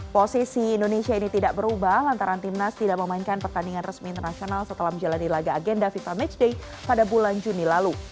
posisi indonesia ini tidak berubah lantaran timnas tidak memainkan pertandingan resmi internasional setelah menjalani laga agenda fifa matchday pada bulan juni lalu